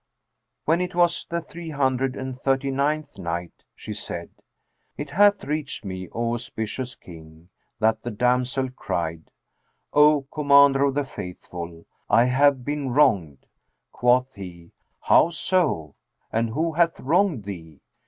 When it was the Three Hundred and Thirty ninth Night, She said, It hath reached me, O auspicious King, that the damsel cried, "O Commander of the Faithful, I have been wronged!" Quoth he, "How so, and who hath wronged thee?"